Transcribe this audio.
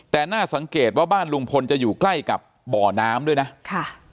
แต่น่าสังเกตว่าบ้านลุงพลจะอยู่ใกล้กับบ่อน้ำด้วยนะค่ะ